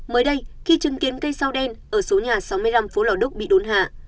mới đây khi chứng kiến cây sao đen ở số nhà sáu mươi năm phố lò đúc bị đốn hạ